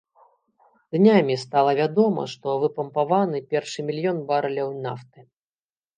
Днямі стала вядома, што выпампаваны першы мільён барэляў нафты.